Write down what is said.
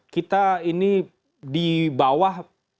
kita ini di bawah